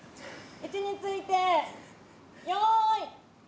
位置についてよい！